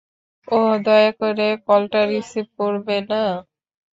ওহ, দয়া করে কলটা রিসিভ করবে না।